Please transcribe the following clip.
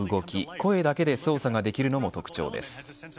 声だけで操作ができるのも特徴です。